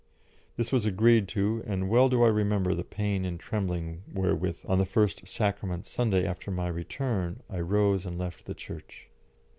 This was agreed to, and well do I remember the pain and trembling wherewith on the first "Sacrament Sunday" after my return I rose and left the church.